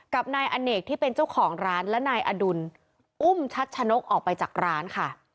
กับนายอเนกที่เป็นเจ้าของร้านและนายอดุลอุ้มชัดชะนกออกไปจากร้านค่ะ